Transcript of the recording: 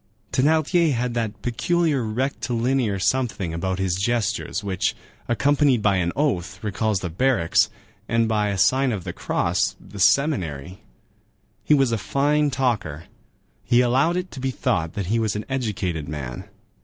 Thénardier had that peculiar rectilinear something about his gestures which, accompanied by an oath, recalls the barracks, and by a sign of the cross, the seminary. He was a fine talker. He allowed it to be thought that he was an educated man.